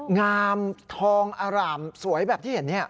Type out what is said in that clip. งามทองอร่ามสวยแบบที่เห็น